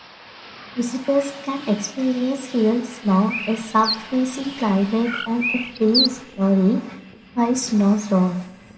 Visitors can experience real snow, a sub-freezing climate and a three-storey high snow slope.